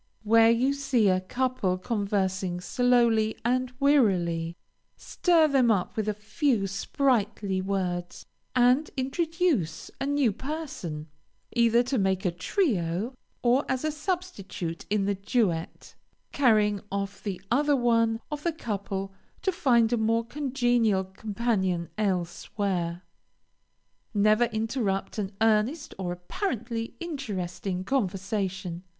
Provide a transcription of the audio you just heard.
Where you see a couple conversing slowly and wearily, stir them up with a few sprightly words, and introduce a new person, either to make a trio, or, as a substitute in the duet, carrying off the other one of the couple to find a more congenial companion elsewhere. Never interrupt an earnest or apparently interesting conversation.